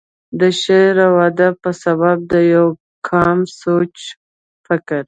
دَ شعر و ادب پۀ سبب دَ يو قام سوچ فکر،